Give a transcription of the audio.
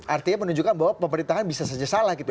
artinya menunjukkan bahwa pemerintahan bisa saja salah gitu